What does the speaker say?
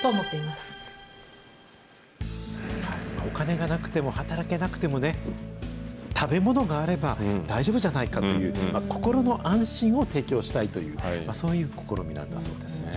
お金がなくても、働けなくてもね、食べ物があれば大丈夫じゃないかという、心の安心を提供したいという、そういう試みなんだそうです。